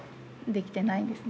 できてないんです。